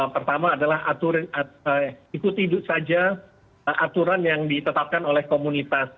pertama adalah ikuti saja aturan yang ditetapkan oleh komunitas